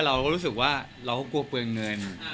เราน่าจะรู้สึกว่าเรากลัวเพลืงเงิน